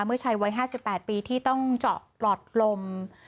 เมื่อชายวัย๕๘ปีที่ต้องเจาะปลอดลม